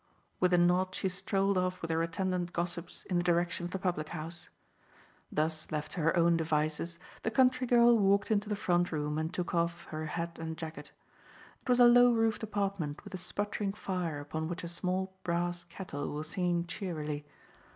With a nod she strolled off with her attendant gossips in the direction of the public house. Thus left to her own devices, the country girl walked into the front room and took off her hat and jacket. It was a low roofed apartment with a sputtering fire upon which a small brass kettle was singing cheerily.